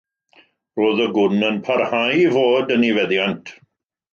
Roedd y gwn yn parhau i fod yn ei feddiant.